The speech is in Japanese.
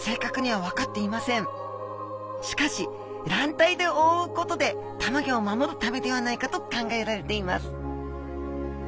しかし卵帯でおおうことでたまギョを守るためではないかと考えられています。